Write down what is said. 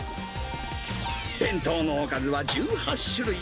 弁当のおかずは１８種類。